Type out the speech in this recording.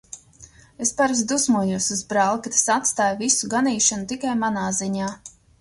Es parasti dusmojos uz brāli, ka tas atstāj visu ganīšanu tikai manā ziņā.